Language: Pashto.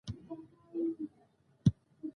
تاسي باید زموږ هیواد پرېږدی.